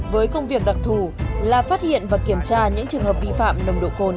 với công việc đặc thù là phát hiện và kiểm tra những trường hợp vi phạm nồng độ cồn